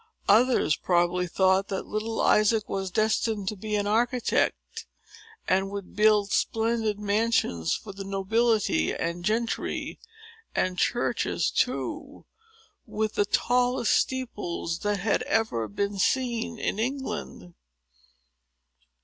Others probably thought that little Isaac was destined to be an architect, and would build splendid mansions for the nobility and gentry, and churches too, with the tallest steeples that had ever been seen in England.